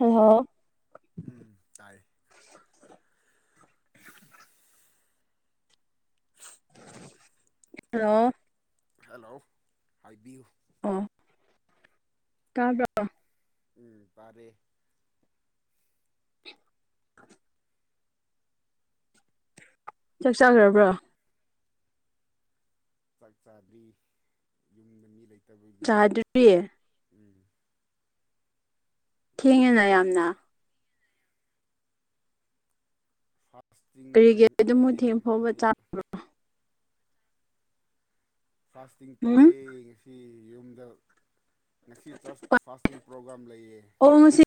Hello ꯎꯝ ꯇꯥꯏ hello hello ꯍꯥꯏꯕꯤꯌꯨ ꯑꯣ ꯇꯥꯕ꯭ꯔꯣ ꯎꯝ ꯇꯥꯔꯦ ꯆꯥꯛ ꯆꯥꯈ꯭ꯔꯕ꯭ꯔꯣ ꯆꯥꯛ ꯆꯥꯗ꯭ꯔꯤ ꯌꯨꯝꯗ ꯃꯤ ꯂꯩꯇꯕꯒꯤ ꯆꯥꯗ꯭ꯔꯤ ꯎꯝ ꯊꯦꯡꯉꯦꯅ ꯌꯥꯝꯅ ꯐꯥꯁꯇꯤ ꯀꯔꯤꯒꯤ ꯑꯗꯨꯝ ꯊꯦꯡ ꯐꯥꯎꯕ ꯆꯥꯕ꯭ꯔꯣ ꯐꯥꯁꯇꯤꯡ ꯇꯧꯋꯦ ꯎꯝ ꯉꯁꯤ ꯌꯨꯝꯗ ꯉꯁꯤ ꯆꯔꯆ ꯐꯥꯁꯇꯤꯡ ꯄ꯭ꯔꯣꯒꯥꯥꯝ ꯂꯩꯌꯦ ꯑꯣ ꯉꯁꯤ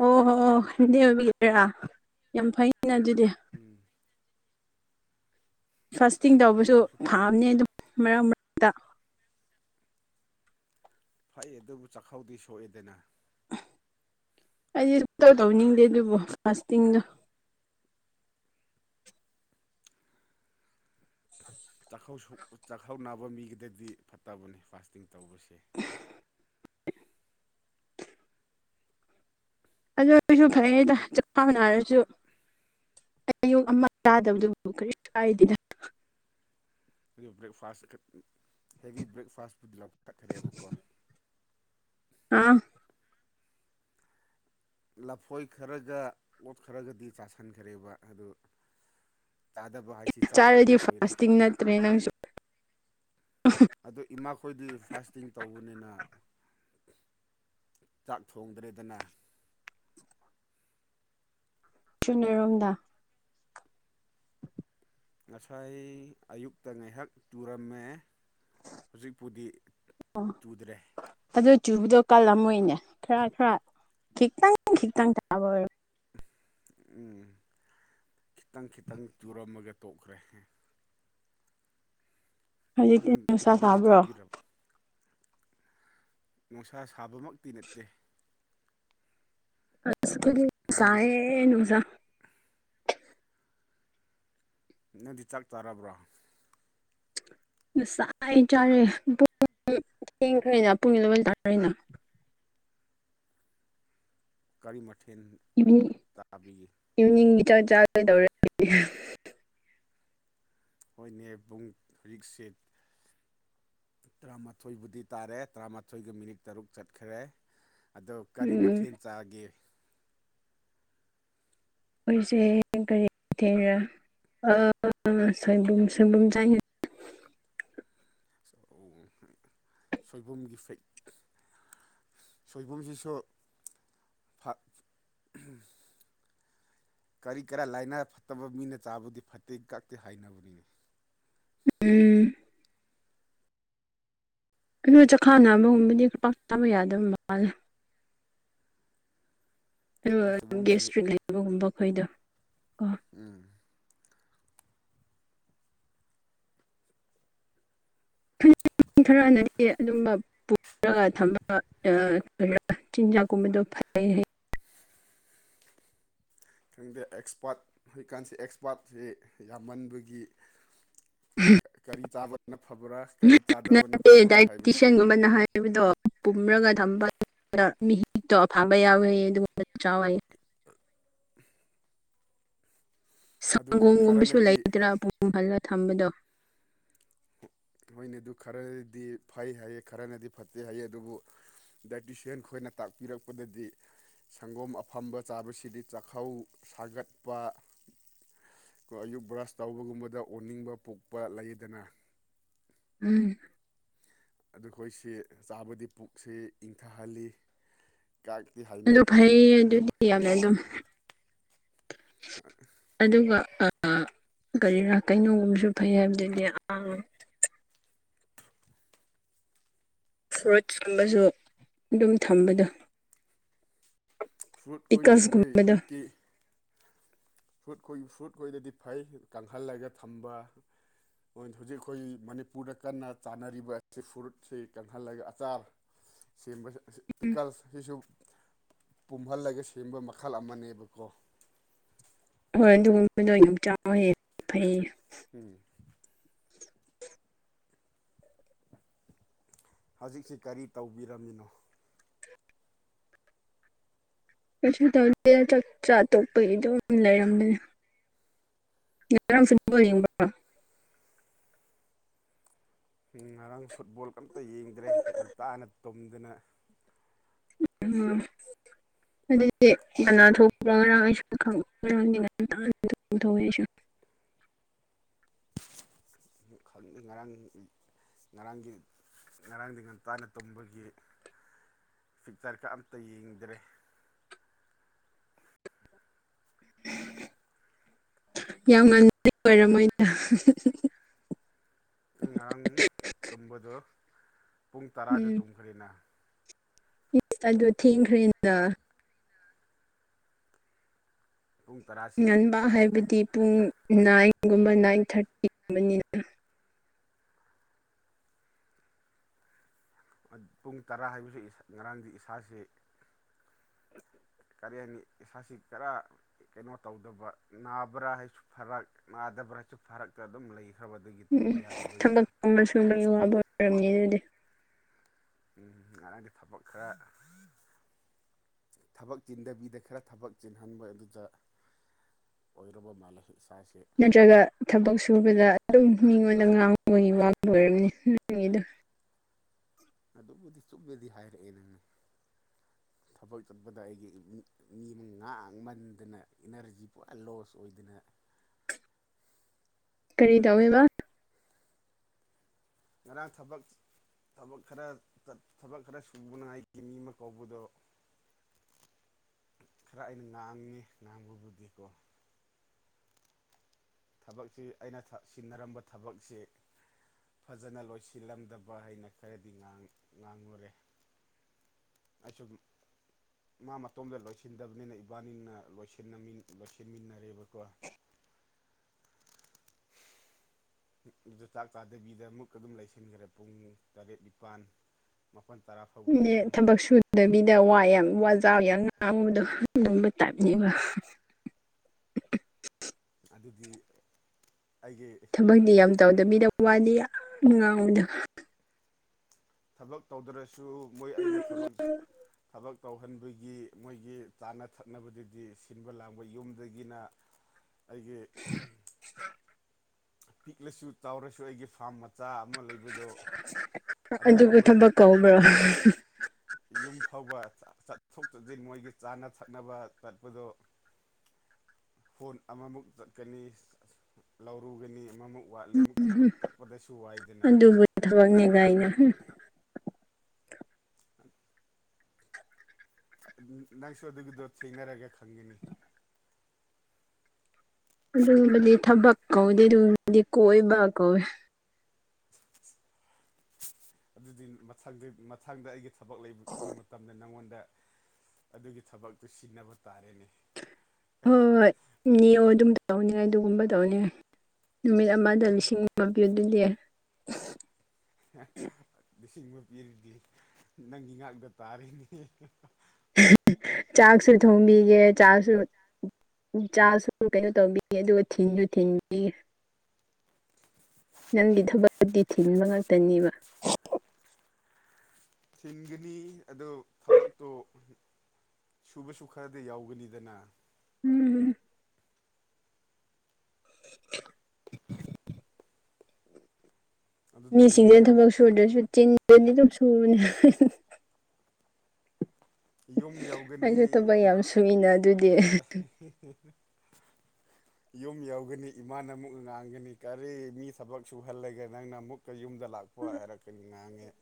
ꯑꯣ ꯍꯣꯏ ꯍꯣꯏ [unintelligible] ꯑꯣꯏꯕꯒꯤꯔꯥ ꯌꯥꯝ ꯐꯩ ꯅ ꯑꯗꯨꯗꯤ ꯎꯝ ꯐꯥꯁꯇꯤꯡ ꯑꯗꯨ ꯇꯧꯕꯁꯨ ꯊꯣꯡꯕꯁꯨ ꯐꯕꯅꯦ ꯇꯟꯕ ꯑꯗꯨꯝ ꯃꯔꯛ ꯃꯔꯛꯇ ꯐꯩ ꯑꯗꯨꯕꯨ ꯆꯥꯛꯈꯥꯎꯗꯤ ꯁꯣꯛꯑꯦꯗꯅ ꯑꯩꯗꯤ ꯁꯨꯇꯧ ꯇꯧꯅꯤꯡꯗꯦ ꯑꯗꯨꯕꯨ ꯐꯥꯁꯇꯤꯡꯗꯣ ꯆꯥꯛꯈꯥꯎ ꯁꯣꯛ ꯆꯥꯛꯈꯥꯎꯅꯕ ꯃꯤꯒꯤꯗꯗꯤ ꯐꯠꯇꯕꯅꯤ ꯐꯥꯁꯇꯤꯡ ꯇꯧꯕꯁꯦ ꯑꯗꯨ ꯑꯣꯏꯔꯁꯨ ꯐꯔꯦꯗ ꯆꯥꯛꯈꯥꯎ ꯅꯥꯔꯁꯨ ꯑꯌꯨꯛ ꯑꯃ ꯆꯥꯗꯕꯗꯨꯕꯨ ꯀꯔꯤ ꯀꯥꯏꯗꯦꯗ ꯑꯗꯨ ꯕ꯭ꯔꯦꯛꯐꯥꯁ ꯍꯦꯕꯤ ꯕ꯭ꯔꯦꯛ ꯐꯥꯁ ꯄꯨꯗꯤ ꯂꯧ ꯀꯠꯈ꯭ꯔꯦꯕꯀꯣ ꯑꯥ ꯂꯐꯣꯏ ꯈꯔꯒ ꯑꯣꯠ ꯈꯔꯒꯗꯤ ꯆꯥꯁꯟꯈ꯭ꯔꯦꯕ ꯑꯗꯨ ꯆꯥꯗꯕ ꯍꯥꯏꯁꯤ ꯆꯥꯛ ꯆꯥꯔꯗꯤ ꯈꯛꯇ ꯑꯣꯏꯔꯦ ꯐꯥꯁꯇꯤꯡ ꯅꯠꯇ꯭ꯔꯦ ꯅꯪꯁꯨ ꯑꯗꯣ ꯏꯃꯥꯈꯣꯏꯗꯤ ꯐꯥꯁꯇꯤꯡ ꯇꯧꯕꯅꯤꯅ ꯆꯥꯛ ꯊꯣꯡꯗ꯭ꯔꯦꯗꯅ ꯁꯨꯟꯅꯔꯣꯝꯗ ꯉꯁꯥꯏ ꯑꯌꯨꯛꯇ ꯉꯥꯏꯍꯥꯛ ꯇꯨꯔꯝꯃꯦ ꯍꯧꯖꯤꯛꯄꯨꯗꯤ ꯑꯣ ꯆꯨꯗ꯭ꯔꯦ ꯑꯗꯨ ꯆꯨꯕꯗꯣ ꯀꯜꯂꯝꯣꯏꯅꯦ ꯈꯔ ꯈꯔ ꯈꯤꯇꯪ ꯈꯤꯇꯪ [unintelligible] ꯎꯝ ꯈꯤꯇꯪ ꯈꯤꯇꯪ ꯆꯨꯔꯝꯃꯒ ꯇꯣꯛꯈ꯭ꯔꯦ ꯍꯧꯖꯤꯛꯇꯤ ꯅꯪ ꯅꯨꯡꯁꯥ ꯅꯪꯗꯤ ꯁꯥꯕ꯭ꯔꯣ ꯆꯥꯕꯤꯔꯕꯣ ꯅꯨꯡꯁꯥ ꯁꯥꯕꯃꯛꯇꯤ ꯅꯠꯇꯦ ꯑꯁ ꯑꯩꯈꯣꯏꯗꯤ ꯅꯪꯗꯤ ꯁꯥꯏꯌꯦ ꯅꯨꯡꯁꯥ ꯅꯪꯗꯤ ꯆꯥꯛ ꯆꯥꯔꯕ꯭ꯔꯣ ꯉꯁꯥꯏ ꯆꯥꯔꯦ ꯄꯨꯡ ꯊꯦꯡꯈ꯭ꯔꯦꯅ ꯄꯨꯡ ꯑꯦꯂꯕꯦꯟ ꯇꯥꯔꯦꯅ ꯀꯔꯤ ꯃꯊꯦꯟ ꯏꯚꯤꯅꯤꯡ ꯏꯚꯤꯅꯤꯡꯒꯤ ꯆꯥꯛ ꯆꯥꯒꯗꯧꯔꯦ ꯑꯩꯈꯣꯏꯗꯤ ꯍꯣꯏꯅꯦ ꯄꯨꯡ ꯍꯧꯖꯤꯛꯁꯤ ꯇꯔꯥꯃꯥꯊꯣꯏꯕꯨꯗꯤ ꯇꯥꯔꯦ ꯇꯔꯥꯃꯥꯊꯣꯏꯒ ꯃꯤꯅꯤꯠ ꯇꯔꯨꯛ ꯆꯠꯈ꯭ꯔꯦ ꯑꯗꯣ ꯀꯔꯤ ꯎꯝ ꯃꯊꯦꯜ ꯆꯥꯒꯦ ꯑꯩꯈꯣꯏꯁꯦ ꯀꯔꯤ ꯃꯊꯦꯟꯔ ꯑ ꯁꯣꯏꯕꯨꯝ ꯁꯣꯏꯕꯨꯝ ꯆꯥꯏ ꯁꯣꯏꯕꯨꯝꯒꯤ ꯐꯦꯛ ꯁꯣꯏꯕꯨꯝꯁꯤꯁꯨ ꯐꯥꯛ ꯀꯔꯤ ꯀꯔꯥ ꯂꯥꯏꯅꯥ ꯐꯠꯇꯕ ꯃꯤꯅ ꯆꯥꯕꯗꯤ ꯐꯠꯇꯦ ꯒꯛꯇꯦ ꯍꯥꯏꯅꯕꯅꯤꯅꯦ ꯎꯝ ꯑꯗꯨ ꯆꯈꯥꯎ ꯅꯕꯒꯨꯝꯕꯗꯤ ꯄꯥꯛ ꯆꯥꯕ ꯌꯥꯗ ꯃꯥꯜꯂꯦ ꯑꯗꯨꯒ ꯈꯪꯗꯦ ꯁꯣꯏꯕꯨꯝꯁꯤ ꯒꯦꯁꯇ꯭ꯔꯤ ꯂꯩꯕꯒꯨꯝꯕ ꯑꯩꯈꯣꯏꯗꯣ ꯎꯝ [unintelligible] ꯑꯗꯨꯝꯕ ꯄꯨ ꯔꯒ ꯊꯝꯕ [unintelligible] ꯆꯤꯟꯖꯥꯛꯀꯨꯝꯕꯗꯣ ꯐꯩꯩ ꯍꯥꯏꯌꯦ ꯈꯪꯗꯦ ꯑꯦꯛꯁꯄꯥꯔꯠ ꯍꯧꯖꯤꯛꯀꯥꯟꯁꯦ ꯑꯦꯛꯁꯄꯥꯔꯠꯁꯦ ꯌꯥꯝꯃꯟꯕꯒꯤ ꯀꯔꯤ ꯆꯥꯕꯅ ꯐꯕ꯭ꯔꯥ ꯀꯔꯤ ꯆꯥꯗꯕꯅ ꯐꯕ꯭ꯔꯥ ꯍꯥꯏꯕꯁꯦ ꯅꯍ ꯍꯥꯏꯕꯗꯣ ꯄꯨꯝꯔꯒ ꯊꯝꯕ ꯃꯤ ꯍꯤꯛꯇꯣ ꯑꯐꯕ ꯌꯥꯎꯋꯦ ꯑꯗꯨꯒꯨꯝꯕꯗꯣ ꯆꯥꯎ ꯍꯥꯏꯌꯦ ꯑꯗꯨ ꯁꯪꯒꯣꯝꯒꯨꯝꯕꯁꯨ ꯈꯔꯅꯗꯤ ꯂꯩꯗ꯭ꯔꯥ ꯄꯨꯝ ꯍꯜꯂꯒ ꯊꯝꯕꯗꯣ ꯍꯣꯏꯅꯦ ꯑꯗꯨ ꯈꯔꯅꯗꯤ ꯐꯩ ꯍꯥꯏꯌꯦ ꯈꯔꯅꯗꯤ ꯐꯠꯇꯦ ꯍꯥꯏꯌꯦ ꯑꯗꯨꯕꯨ ꯗꯥꯏꯇꯤꯁꯦꯟ ꯈꯣꯏꯅ ꯇꯥꯛꯄꯤꯔꯛꯄꯗꯗꯤ ꯁꯪꯒꯣꯝ ꯑꯐꯝꯕ ꯆꯥꯕꯁꯤꯗꯤ ꯆꯥꯛꯈꯧ ꯁꯥꯒꯠꯄ ꯑꯌꯨꯛ ꯕ꯭ꯔꯁ ꯇꯧꯕꯒꯨꯝꯕꯗ ꯑꯣꯅꯤꯡꯕ ꯄꯣꯛꯄ ꯂꯩꯗꯅ ꯎꯝ ꯑꯗꯨ ꯈꯣꯏꯁꯤ ꯆꯥꯕꯗꯤ ꯄꯨꯛꯁꯤ ꯏꯪꯊꯍꯜꯂꯤ ꯀꯌꯥꯛꯇ ꯍꯥꯏ ꯂꯨꯞ ꯐꯩꯌꯦ ꯑꯗꯨꯗꯤ ꯌꯥꯝꯅꯥ ꯑꯗꯨꯝ ꯑ ꯑꯗꯨꯒ ꯑ ꯀꯔꯤꯔꯥ ꯀꯩꯅꯣꯒꯨꯝꯕꯁꯨ ꯐꯩ ꯍꯥꯏꯕꯗꯨꯗꯤ ꯑ ꯏꯁꯀ꯭ꯨꯋꯥꯠ ꯀꯨꯝꯕꯁꯨ ꯑꯗꯨꯝ ꯊꯝꯕꯗꯣ ꯐ꯭ꯔꯨꯠ ꯈꯣꯏꯁꯤꯁꯨ ꯃꯣꯏ ꯄꯤꯀꯜꯁꯀꯨꯝꯕꯗꯣ ꯍꯧꯖꯤꯛꯇꯤ ꯐ꯭ꯔꯨꯠꯈꯣꯏ ꯐ꯭ꯔꯨꯠꯈꯣꯏꯗꯗꯤ ꯐꯩ ꯀꯥꯡꯍꯜꯂꯒ ꯊꯝꯕ ꯍꯣꯏ ꯍꯧꯖꯤꯛ ꯑꯩꯈꯣꯏ ꯃꯅꯤꯄꯨꯔꯗ ꯀꯟꯅ ꯆꯥꯟꯅꯔꯤꯕ ꯑꯁꯤ ꯐꯨꯔꯨꯠꯁꯤ ꯀꯪꯍꯜꯂꯒ ꯑꯆꯥꯔ ꯁꯦꯝꯕ ꯑꯁꯤ ꯎꯝ ꯄꯤꯀꯜ ꯁꯤꯁꯨ ꯄꯨꯝꯍꯜꯂꯒ ꯁꯦꯝꯕ ꯃꯈꯜ ꯑꯃꯅꯦꯕꯀꯣ ꯍꯣꯏ ꯑꯗꯨꯒꯨꯝꯕꯗꯨ ꯌꯥꯝ ꯆꯥꯎꯌꯦ ꯍꯥꯏꯌꯦ ꯐꯩꯌꯦ ꯎꯝ ꯍꯧꯖꯤꯛꯁꯤ ꯀꯔꯤ ꯇꯧꯕꯤꯔꯝꯃꯤꯅꯣ ꯀꯩꯁꯨ ꯇꯧꯗꯦ ꯆꯥꯛ ꯆꯥ ꯇꯣꯛꯄꯒꯤ ꯑꯗꯨꯝ ꯂꯩꯔꯝꯕꯅꯤ ꯉꯔꯥꯡꯁꯨ ꯑꯗꯨꯝ ꯕꯣꯜ ꯌꯦꯡꯕꯔꯣ ꯉꯔꯥꯡ ꯐꯨꯠꯕꯣꯜ ꯀ ꯑꯝꯇ ꯌꯦꯡꯗ꯭ꯔꯦ ꯉꯟꯇꯥꯅ ꯇꯨꯝꯗꯅ ꯎꯝ [unintelligible] [inaudible] ꯑꯗꯨꯗꯤ ꯀꯅ ꯊꯣꯛꯄꯥꯔ ꯉꯔꯥꯡ ꯑꯩꯁꯨ ꯈꯪ ꯉꯔꯥꯡꯗꯤ ꯉꯥꯟꯇꯅ ꯇꯨꯃꯊꯣꯛꯑꯦ ꯈꯪꯗꯦ ꯉꯔꯥꯡ ꯉꯔꯥꯡꯒꯤ ꯉꯔꯥꯡꯗꯤ ꯉꯟꯇꯅ ꯇꯨꯝꯕꯒꯤ ꯐꯤꯛꯀꯔꯒꯥ ꯑꯝꯇ ꯌꯦꯡꯗ꯭ꯔꯦ ꯌꯥꯝ ꯉꯟꯕꯥꯗꯤ ꯑꯣꯏꯔꯝꯃꯣꯏꯗ ꯑꯩ ꯉꯔꯥꯡ ꯇꯨꯝꯕꯗꯣ ꯄꯨꯡ ꯇꯔꯥꯗ ꯎꯝ ꯇꯨꯝꯈ꯭ꯔꯦꯅ ꯏꯁ ꯑꯗꯨ ꯊꯦꯡꯈ꯭ꯔꯦꯗ ꯄꯨꯡ ꯇꯔꯥꯁꯤ ꯉꯟꯕ ꯑꯩ ꯍꯥꯏꯕꯗꯤ ꯄꯨꯡ ꯅꯥꯏꯟꯒꯨꯝꯕ ꯅꯥꯏꯟ ꯊꯥꯔꯇꯤꯒꯨꯝꯕꯅꯤꯅ ꯑꯠ ꯄꯨꯡ ꯇꯔꯥ ꯍꯥꯏꯕꯁꯤ ꯉꯔꯥꯡꯗꯤ ꯏꯁꯥꯁꯤ ꯀꯔꯤ ꯍꯥꯏꯅꯤ ꯏꯁꯥꯁꯤ ꯀꯔꯥ ꯀꯩꯅꯣ ꯇꯧꯗꯕ ꯅꯥꯕ꯭ꯔꯥ ꯍꯥꯏꯁꯨ ꯐꯔꯛ ꯅꯥꯗꯕ꯭ꯔꯥ ꯍꯥꯏꯁꯨ ꯐꯔꯛꯇ ꯑꯗꯨꯝ ꯂꯩ꯫ ꯎꯝ ꯊꯕꯛ ꯐꯪꯕ ꯁꯨꯕꯒꯤ ꯋꯥꯕ ꯑꯣꯏꯔꯝꯅꯤ ꯗꯨꯗꯤ꯫ ꯎꯝ ꯉꯔꯥꯡꯗꯤ ꯊꯕꯛ ꯈꯔ꯫ ꯊꯕꯛ ꯆꯤꯟꯗꯕꯤꯗ ꯈꯔ ꯊꯕꯛ ꯆꯤꯟꯍꯟꯕ ꯑꯗꯨꯗ꯫ ꯑꯣꯏꯔꯔꯕ ꯃꯥꯜꯂꯦ ꯏꯁꯥꯁꯦ꯫ ꯅꯠꯇ꯭ꯔꯒ ꯊꯕꯛ ꯁꯨꯕꯗ ꯑꯗꯨꯝ ꯃꯤꯉꯣꯟꯗ ꯉꯥꯡꯕꯒꯤ ꯋꯥꯕ ꯑꯣꯏꯔꯝꯅꯤ ꯅꯡꯒꯤꯗꯨ꯫ ꯑꯗꯨꯕꯨꯗꯤ ꯆꯨꯝꯃꯦꯗꯤ ꯍꯥꯏꯔꯛꯑꯦ ꯅꯪꯅ ꯊꯕꯛ ꯆꯠꯄꯗ ꯑꯩꯒꯤ ꯃꯤꯃ ꯉꯥꯡꯃꯟꯗꯅ ꯏꯅꯔꯖꯤ ꯄꯨꯔꯥ ꯂꯣꯁ ꯑꯣꯏꯗꯅ꯫ ꯀꯔꯤ ꯇꯧꯋꯦꯕ꯫ ꯉꯔꯥꯡ ꯊꯕꯛ꯫ ꯊꯕꯛ ꯈꯔ ꯊꯕꯛ ꯈꯔ ꯁꯨꯕꯅꯉꯥꯏꯒꯤ ꯃꯤ ꯑꯃ ꯀꯧꯕꯗꯣ꯫ ꯈꯔ ꯑꯩꯅ ꯉꯥꯡꯉꯤ ꯉꯥꯡꯕꯕꯨꯗꯤꯀꯣ꯫ ꯊꯕꯛꯁꯤ ꯑꯩꯅ ꯊ ꯁꯤꯟꯅꯔꯝꯕ ꯊꯕꯛꯁꯤ꯫ ꯐꯖꯅ ꯂꯣꯏꯁꯤꯜꯂꯝꯗꯕ ꯍꯥꯏꯅ ꯈꯔꯗꯤ ꯉꯥꯡ ꯉꯥꯡꯉꯨꯔꯦ꯫ ꯑꯩ ꯁꯨꯝ ꯫ ꯃꯥ ꯃꯇꯣꯝꯗ ꯂꯣꯏꯁꯤꯟꯗꯕꯅꯤꯅ ꯏꯕꯥꯅꯤꯅ ꯂꯣꯏꯁꯤꯟꯅꯃꯤꯟ ꯂꯣꯏꯁꯤꯟꯃꯤꯟꯅꯔꯦꯕꯀꯣ꯫ [inaudible] ꯗꯨꯗ ꯆꯥꯛ ꯆꯥꯗꯕꯤꯗ ꯑꯃꯨꯛꯀ ꯑꯗꯨꯝ ꯂꯩꯁꯤꯟꯈ꯭ꯔꯦ ꯄꯨꯡ ꯇꯔꯦꯠ ꯅꯤꯄꯥꯟ ꯫ ꯃꯥꯄꯟ ꯇꯔꯥ ꯐꯥꯎꯕꯁꯤ ꯑꯗꯨꯝ꯫ ꯗꯕꯤꯗ ꯋꯥ ꯌꯥꯝ ꯋꯥꯖꯥꯎ ꯌꯥꯝ ꯉꯥꯡꯕꯗꯣ ꯑꯗꯨꯝꯕ ꯇꯥꯏꯞꯅꯦꯕ꯫ ꯑꯗꯨꯗꯤ ꯑꯩꯒꯤ ꯊꯕꯛꯗꯤ ꯌꯥꯝ ꯇꯧꯗꯕꯤꯗ ꯋꯥꯗꯤ ꯌꯥꯝ ꯉꯥꯡꯕꯗꯣ ꯫ ꯊꯕꯛ ꯇꯧꯗ꯭ꯔꯁꯨ ꯃꯣꯏ ꯑꯩꯅ ꯊꯕꯛ ꯊꯕꯛ ꯇꯧꯍꯟꯕꯒꯤ ꯃꯣꯏꯒꯤ ꯆꯥꯅ ꯊꯛꯅꯕꯗꯨꯗꯤ ꯁꯤꯟꯕ ꯂꯥꯡꯕ ꯌꯨꯝꯗꯒꯤꯅ [inaudible] ꯑꯩꯒꯤ ꯎꯝ [inaudible] ꯄꯤꯛꯂꯁꯨ ꯆꯥꯎꯔꯁꯨ ꯑꯩꯒꯤ ꯐꯥꯝ ꯃ ꯆꯥ ꯑꯃ ꯂꯩꯕꯗꯣ ꯑꯗꯨꯕꯨ ꯑꯗꯨꯐꯥꯎꯕ ꯑꯩ ꯊꯕꯛ ꯀꯧꯕ꯭ꯔꯣ ꯌꯨꯝ ꯐꯥꯎꯕ ꯆꯥ ꯆꯠꯊꯣꯛ ꯆꯖꯤꯟ ꯃꯣꯏꯒꯤ ꯆꯥꯅ ꯊꯛꯅꯕ ꯆꯠꯄꯗꯣ ꯐꯣꯟ ꯑꯃꯃꯨꯛ ꯆꯠꯀꯅꯤ ꯂꯧ ꯂꯧꯒꯅꯤ ꯑꯃꯃꯨꯛ ꯋꯥꯠꯂꯦ ꯑꯃꯨꯛ ꯆꯠꯄ ꯆꯠꯄꯗꯁꯨ ꯋꯥꯏꯗꯅ꯫ ꯊꯥꯕꯛꯅꯤ ꯀꯥꯏꯅꯥ ꯍꯨꯝ [inaudible] ꯅꯪꯁꯨ ꯑꯗꯨꯒꯤꯗꯣ ꯊꯦꯡꯅꯔꯒ ꯈꯪꯒꯅꯤ꯫ ꯑꯗꯨꯒꯨꯝꯕꯗꯤ ꯊꯕꯛ ꯀꯧꯗꯦ ꯗꯨꯒꯨꯝꯕꯗꯤ ꯀꯣꯏꯕ ꯀꯧꯋꯦ꯫ [inaudible] ꯑꯗꯨꯗꯤ ꯃꯊꯪꯗꯤ ꯃꯊꯪꯗ ꯑꯩꯒꯤ ꯊꯕꯛ ꯂꯩꯕ ꯃꯇꯝꯗ ꯅꯪꯉꯣꯟꯗ ꯑꯗꯨꯒꯤ ꯊꯕꯛꯇꯨ ꯁꯤꯟꯅꯕ ꯇꯥꯔꯦꯅꯦ꯫ ꯍꯣꯏ ꯍꯣꯏ ꯍꯣꯏ ꯅꯤꯌꯣ ꯑꯗꯨꯝ ꯇꯧꯅꯤꯉꯥꯏ ꯗꯨꯒꯨꯝꯕ ꯇꯧꯅꯤꯉꯥꯏ ꯅꯨꯃꯤꯠ ꯑꯃꯗ ꯂꯤꯁꯤꯡ ꯃꯄꯤꯌꯣꯗꯨꯗꯤ꯫ ꯂꯤꯁꯤꯡ ꯑꯃ ꯄꯤꯔꯗꯤ ꯅꯪꯒꯤ ꯉꯥꯛꯇ ꯇꯥꯔꯦꯅꯦ꯫ ꯆꯥꯛꯁꯨ ꯊꯣꯡꯕꯤꯒꯦ ꯆꯥꯁꯨ ꯖꯥꯁꯨ ꯀꯩꯅꯣ ꯇꯧꯕꯤꯒꯦ ꯑꯗꯨꯒ ꯊꯤꯟꯖꯨ ꯊꯤꯟꯕꯤꯒꯦ ꯅꯪꯒꯤ ꯊꯕꯛꯑꯗꯤ ꯊꯤꯟꯕ ꯉꯥꯛꯇꯅꯦꯕ ꯊꯤꯟꯒꯅꯤ ꯑꯗꯣ ꯊꯕꯛꯇꯣ ꯁꯨꯕꯁꯨ ꯈꯔꯗꯤ ꯌꯥꯎꯒꯅꯤꯗꯅ ꯎꯝ ꯑꯗꯨꯗ ꯌꯨꯝ ꯃꯤꯁꯤꯡꯁꯤꯅ ꯊꯕꯛ ꯁꯨꯨꯗ꯭ꯔꯁꯨ ꯆꯤꯟꯗꯗꯤ ꯑꯗꯨꯝ ꯁꯨꯕꯅꯤ ꯌꯨꯝ ꯑꯩꯁꯨ ꯌꯧꯒꯅꯤ ꯊꯕꯛ ꯌꯥꯝ ꯁꯨꯏꯅ ꯑꯗꯨꯗꯤ [unintelligible] [inaudible] ꯌꯨꯝ ꯌꯧꯒꯅꯤ ꯏꯃꯥꯅ ꯑꯃꯨꯛ ꯉꯥꯡꯒꯅꯤ ꯀꯔꯤ ꯃꯤ ꯊꯕꯛ ꯁꯨꯍꯜꯂꯒ ꯅꯪꯅ ꯑꯃꯨꯛꯀ ꯌꯨꯝ ꯗ ꯂꯥꯛꯄ ꯍꯥꯏꯔ ꯀꯅꯤ ꯉꯥꯡꯉꯦ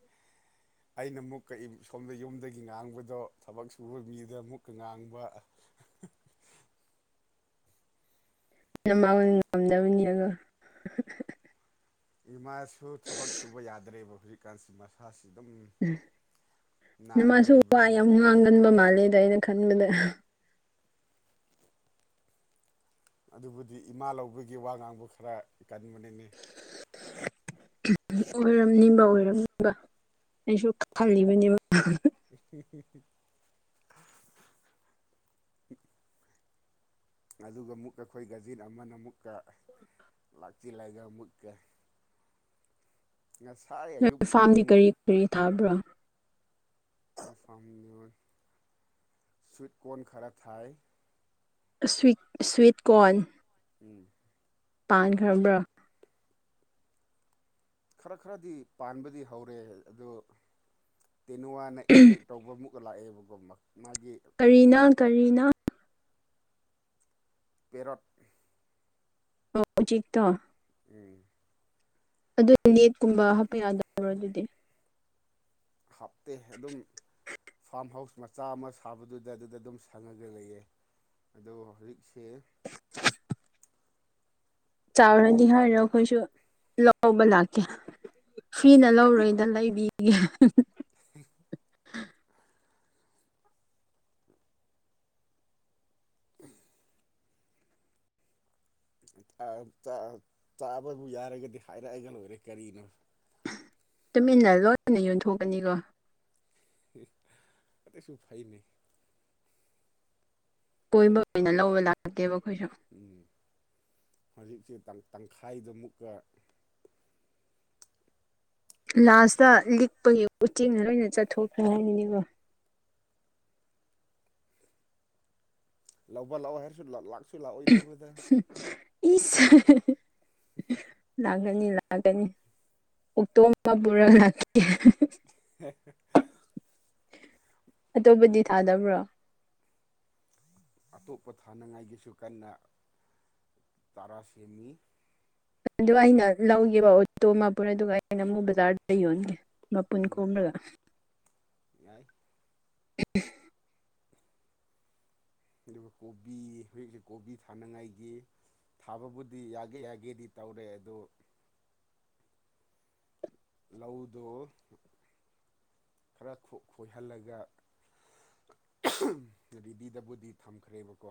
[inaudible] ꯑꯩꯅ ꯑꯃꯨꯛꯀ ꯏꯝ ꯁꯣꯝꯗ ꯌꯨꯝꯗꯒꯤ ꯉꯥꯡꯕꯗꯣ ꯊꯕꯛ ꯁꯨꯕ ꯃꯤꯗ ꯑꯃꯨꯛꯀ ꯉꯥꯡꯕ ꯑ [unintelligible] ꯅꯃꯥ ꯍꯣꯏ ꯉꯝꯗꯕꯅꯤ ꯑꯗꯣ ꯏꯃꯥꯁꯨ ꯊꯕꯛ ꯁꯨꯕ ꯌꯥꯗ꯭ꯔꯦꯕ ꯍꯧꯖꯤꯛꯀꯥꯟꯁꯤ ꯃꯁꯥꯁꯤ ꯑꯗꯨꯝ ꯎꯝ ꯅꯥꯔꯒ ꯅꯃꯥꯁꯨ ꯋꯥ ꯂꯩꯕꯅꯤꯅ ꯌꯥꯝ ꯉꯥꯡꯒꯟꯕ ꯃꯥꯜꯂꯦꯗ ꯑꯩꯅ ꯈꯟꯕꯗ ꯑꯗꯨꯕꯨꯗꯤ ꯏꯃꯥ ꯂꯧꯕꯒꯤ ꯋꯥ ꯉꯥꯡꯕ ꯈꯔ ꯀꯟꯕꯅꯤꯅꯦ [unintelligible] ꯑꯣꯏꯔꯝꯅꯤꯕ ꯑꯣꯏꯔꯝꯅꯤꯕ ꯑꯩꯁꯨ ꯈꯜꯂꯤꯕꯅꯦꯕ [unintelligible] ꯉꯥꯗꯨꯒ ꯃꯨꯛꯀ ꯑꯩꯈꯣꯏ ꯒꯖꯤꯟ ꯑꯃꯅ ꯑꯃꯨꯛꯀ ꯑ ꯂꯥꯛꯆꯤꯜꯂꯒ ꯃꯨꯛꯀ [inaudible] ꯉꯁꯥꯏ ꯑꯌꯨꯛ ꯅꯣꯏ ꯐꯥ꯭ꯔꯝꯗꯤ ꯄꯨꯡ ꯀꯔꯤ ꯀꯔꯤ ꯊꯥꯕ꯭ꯔꯣ ꯐꯥ꯭ꯔꯝꯗꯤꯍꯣꯏ ꯁꯨ꯭ꯋꯤꯠ ꯀꯣꯟ ꯈꯔ ꯊꯥꯏ ꯑ ꯁꯨ꯭ꯋꯤꯠ ꯁꯨ꯭ꯋꯤꯠ ꯀꯣꯟ ꯎꯝ ꯄꯥꯟꯈ꯭ꯔꯕ꯭ꯔꯥ ꯈꯔ ꯈꯔꯗꯤ ꯄꯥꯟꯕꯗꯤ ꯍꯧꯔꯦ ꯑꯗꯣ ꯇꯦꯅꯨꯋꯥꯅ ꯑꯦꯇꯦꯛ ꯇꯧꯕ ꯑꯃꯨꯛꯀ ꯂꯥꯛꯑꯦꯕꯀꯣ ꯃꯥꯒꯤ ꯀꯔꯤꯅꯣ ꯀꯔꯤꯅꯣ ꯄꯦꯔꯣꯠ ꯑꯣ ꯎꯆꯦꯛ ꯇꯣ ꯎꯝ ꯑꯗꯨ ꯅꯦꯠꯀꯨꯝꯕ ꯍꯥꯞꯄ ꯌꯥꯗꯕꯔꯣ ꯑꯗꯨꯗꯤ ꯍꯥꯞꯇꯦ ꯑꯗꯨꯝ ꯐꯥ꯭ꯔꯝ ꯍꯥꯎꯁ ꯃꯆꯥ ꯑꯃ ꯁꯥꯕꯗꯨꯗ ꯑꯗꯨꯗ ꯑꯗꯨꯝ ꯁꯪꯉꯒ ꯂꯩꯌꯦ ꯑꯗꯣ ꯍꯧꯖꯤꯛꯁꯤ ꯇꯦ ꯆꯥꯎꯔꯅꯤ ꯍꯥꯏꯔ ꯑꯩꯈꯣꯏꯁꯨ ꯂꯧꯕ ꯂꯥꯛꯀꯦ ꯐ꯭ꯔꯤꯅ ꯂꯧꯔꯣꯏ ꯗ ꯂꯩꯕꯤꯒꯦ [unintelligible] ꯎꯍ ꯑ ꯆꯥ ꯆꯥꯕꯕꯨ ꯌꯥꯔꯒꯗꯤ ꯍꯥꯏꯔꯛꯑꯒ ꯂꯣꯏꯔꯦ ꯀꯔꯤꯅꯣ ꯇꯨꯃꯤꯟꯅ ꯂꯣꯠꯅ ꯌꯣꯟꯊꯣꯛꯀꯅꯤꯀꯣ ꯑꯦ ꯑꯗꯨꯁꯨ ꯐꯩꯅꯩ ꯀꯣꯏꯕ ꯑꯣꯏꯅ ꯂꯧꯕ ꯂꯥꯛꯀꯦꯕ ꯑꯩꯈꯣꯏꯁꯨ ꯎꯝ ꯍꯧꯖꯤꯛꯁꯦ ꯇꯪ ꯇꯪꯈꯥꯏꯗꯨ ꯑꯃꯨꯛꯀ ꯂꯥꯁꯇ ꯂꯤꯛꯄꯒꯤ ꯎꯆꯦꯛ ꯂꯣꯏꯅ ꯆꯥꯊꯣꯛꯈ꯭ꯔꯅꯤꯕꯣ ꯂꯧꯕ ꯂꯥꯛꯑꯣ ꯍꯥꯏꯔꯁꯨ ꯂꯥꯛꯁꯨ ꯂꯥꯛꯑꯣꯏꯗꯕꯗ ꯏꯁ ꯂꯥꯛꯒꯅꯤ ꯂꯥꯛꯑꯒꯅꯤ ꯑꯣꯛꯇꯣ ꯑꯃ ꯄꯨꯔꯒ ꯂꯥꯛꯀꯦ [unintelligible] ꯑꯇꯣꯞꯄꯗꯤ ꯊꯥꯗꯕ꯭ꯔꯣ ꯑꯇꯣꯞꯄ ꯊꯥꯅꯉꯥꯏꯒꯤꯁꯨ ꯀꯟꯅ ꯆꯥꯔꯥ ꯁꯦꯝꯃꯤ ꯑꯗꯨ ꯑꯩꯅ ꯂꯧꯒꯦꯕ ꯑꯣꯇꯣ ꯑꯃ ꯄꯨꯔ ꯑꯗꯨꯒ ꯑꯩꯩꯅ ꯑꯃꯨꯛ ꯕꯖꯥꯔꯗ ꯌꯣꯟꯒꯦ ꯃꯄꯨꯟ ꯎꯝ ꯀꯣꯝꯂꯒ ꯌꯥꯏ ꯑꯗꯨ ꯀꯣꯕꯤ ꯍꯧꯖꯤꯛꯁꯦ ꯀꯣꯕꯤ ꯊꯥꯅꯉꯥꯏꯒꯤ ꯊꯥꯕꯕꯨꯗꯤ ꯌꯥꯒꯦ ꯌꯥꯒꯦꯗꯤ ꯇꯧꯔꯦ ꯑꯗꯨ ꯂꯧꯗꯨ ꯈꯔ ꯈꯣꯏꯍꯜꯂꯒ ꯔꯦꯗꯤꯗꯕꯨꯗꯤ ꯊꯝꯈ꯭ꯔꯦꯕꯀꯣ